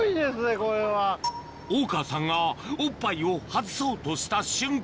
これは・大川さんがおっぱいを外そうとした瞬間